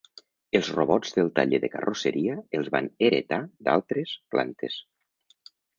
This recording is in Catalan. Els robots del taller de carrosseria els van heretar d'altres plantes.